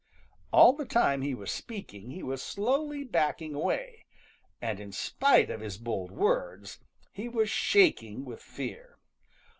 All the time he was speaking, he was slowly backing away, and in spite of his bold words, he was shaking with fear.